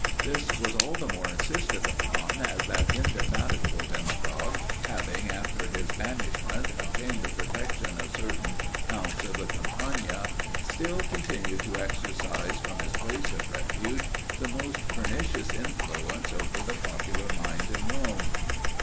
This was all the more insisted upon, as that indefatigable demagogue, having, after his banishment, obtained the protection of certain counts of the Campagna, still continued to exercise from his place of refuge the most pernicious influence over the popular mind in Rome.